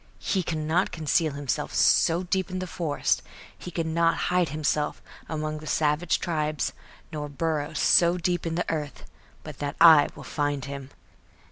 He cannot conceal himself so deep in the forest, he cannot hide himself among the savage tribes, nor burrow so deep in the earth, but that I will find him."